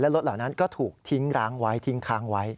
รถเหล่านั้นก็ถูกทิ้งร้างไว้ทิ้งค้างไว้